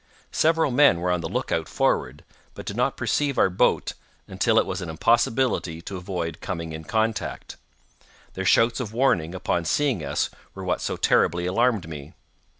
Several men were on the look out forward, but did not perceive our boat until it was an impossibility to avoid coming in contact—their shouts of warning upon seeing us were what so terribly alarmed me.